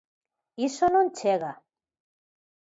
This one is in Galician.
Iso non chega.